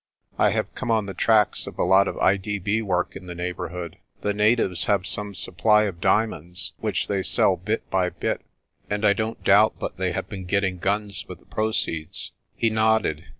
' "I have come on the tracks of a lot of I.D.B. work in the neighbourhood. The natives have some supply of dia monds, which they sell bit by bit, and I don't doubt but they have been getting guns with the proceeds." He nodded.